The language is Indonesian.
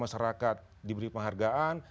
masyarakat diberi penghargaan